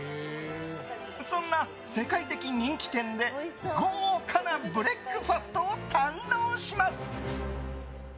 そんな世界的人気店で豪華なブレックファストを堪能します。